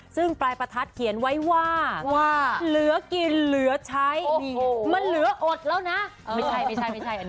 ซึ่งปลายประทัดเขียนไว้ว่าเหลือกินเหลือใช้มันเหลืออดแล้วนะไม่ใช่ไม่ใช่อันนี้